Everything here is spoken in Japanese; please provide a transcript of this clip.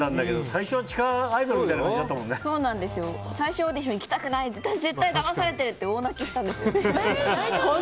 最初はオーディション行きたくない私絶対だまされてるって大泣きしたんです。